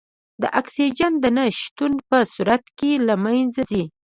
د اکسیجن د نه شتون په صورت کې له منځه ځي.